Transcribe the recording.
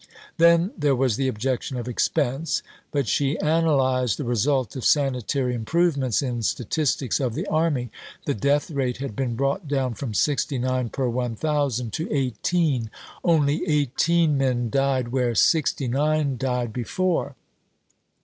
Then there was the objection of expense, but she analysed the result of sanitary improvements in statistics of the army. The death rate had been brought down from 69 per 1000 to 18. Only 18 men died where 69 died before.